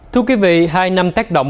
thưa quý vị hai năm tác động